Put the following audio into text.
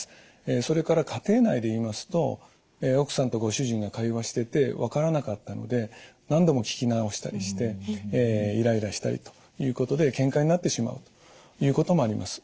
それから家庭内で言いますと奥さんとご主人が会話してて分からなかったので何度も聞き直したりしてイライラしたりということでけんかになってしまうということもあります。